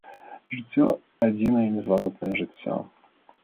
Жыццё, адзінае незваротнае жыццё.